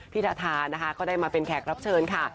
ทาทานะคะก็ได้มาเป็นแขกรับเชิญค่ะ